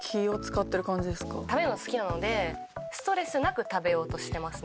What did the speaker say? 食べるの好きなのでストレスなく食べようとしてますね。